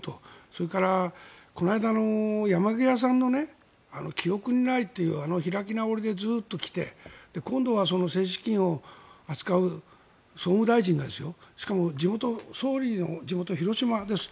それから、この間の山際さんの記憶にないというあの開き直りでずっと来て今度は政治資金を扱う総務大臣がですよしかも総理の地元・広島です。